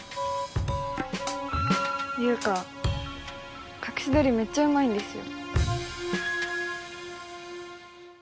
優香隠し撮りめっちゃうまいんですよ。